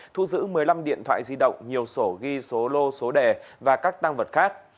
thu giữ một mươi năm điện thoại di động nhiều sổ ghi số lô số đề và các tăng vật khác